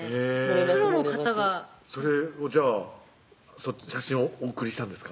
プロの方がそれをじゃあ写真をお送りしたんですか？